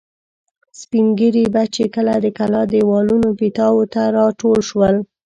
سپین ږیري به چې کله د کلا دېوالونو پیتاوو ته را ټول شول.